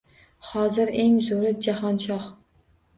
Hozir eng zo`ri Jahonshoh